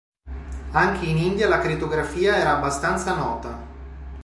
Anche in India la crittografia era abbastanza nota.